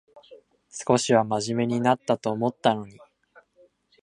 少しはまじめになったと思ったのに